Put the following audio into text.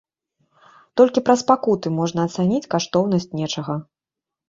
Толькі праз пакуты можна ацаніць каштоўнасць нечага.